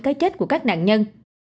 cái chết của các nạn nhân